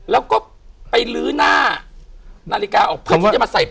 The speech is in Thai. แล้วก็ไปลื้อหน้านาฬิกาออกเพื่อที่จะมาใส่